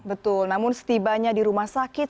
betul namun setibanya di rumah sakit